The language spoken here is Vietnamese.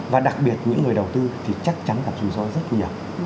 và đặc biệt những người đầu tư thì chắc chắn gặp rủi ro rất nhiều